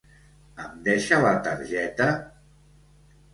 Em deixa la targeta...?